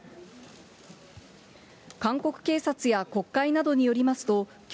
韓国警察や国会などによります